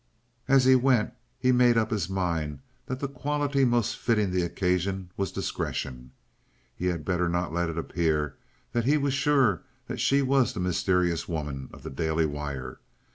As he went he made up his mind that the quality most fitting the occasion was discretion. He had better not let it appear that he was sure that she was the mysterious woman of the _Daily Wire.